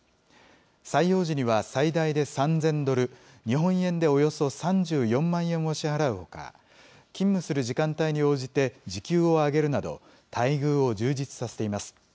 採用時には最大で３０００ドル、日本円でおよそ３４万円を支払うほか、勤務する時間帯に応じて時給を上げるなど、待遇を充実させています。